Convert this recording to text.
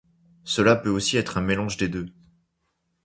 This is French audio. Cela peut aussi être un mélange des deux.